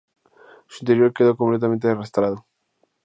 Su interior quedó completamente arrasado.